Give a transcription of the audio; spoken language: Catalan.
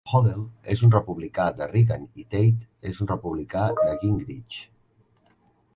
Hodel és un republicà de Reagan i Tate és un republicà de Gingrich.